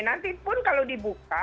nanti pun kalau dibuka